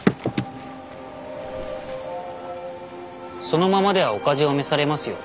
そのままではお風邪を召されますよ。